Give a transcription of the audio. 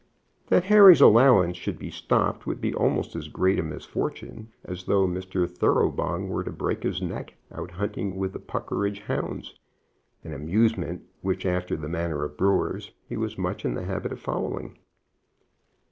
That Harry's allowance should be stopped would be almost as great a misfortune as though Mr. Thoroughbung were to break his neck out hunting with the Puckeridge hounds, an amusement which, after the manner of brewers, he was much in the habit of following.